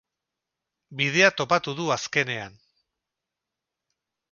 Bidea topatu du azkenean.